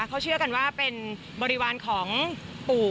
เขาเชื่อกันว่าเป็นบริวารของปู่